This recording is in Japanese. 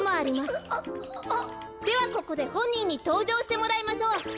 ではここでほんにんにとうじょうしてもらいましょう。